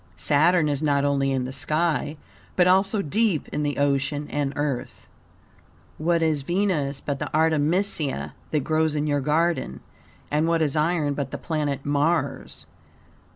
Saturn is not only in the sky, but also deep in the ocean and Earth. What is Venus but the artemisia that grows in your garden, and what is iron but the planet Mars?